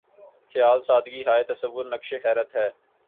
خیال سادگی ہائے تصور‘ نقشِ حیرت ہے